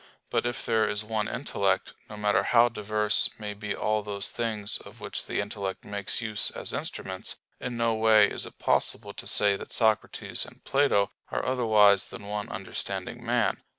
But if there is one intellect, no matter how diverse may be all those things of which the intellect makes use as instruments, in no way is it possible to say that Socrates and Plato are otherwise than one understanding man.